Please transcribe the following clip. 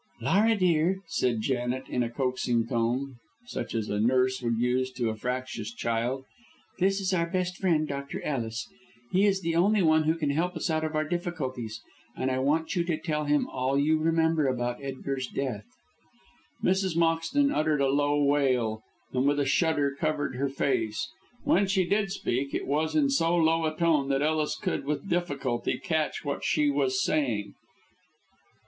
"Laura, dear," said Janet, in a coaxing tone, such as a nurse would use to a fractious child, "this is our best friend, Dr. Ellis. He is the only one who can help us out of our difficulties, and I want you to tell him all you remember about Edgar's death." Mrs. Moxton uttered a low wail, and with a shudder covered her face. When she did speak, it was in so low a tone that Ellis could with difficulty catch what she was saying.